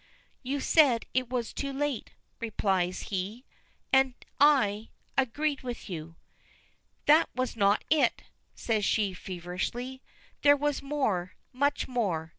"You said it was too late," replies he. "And I agreed with you." "That was not it!" says she feverishly. "There was more much more!